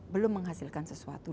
belum menghasilkan sesuatu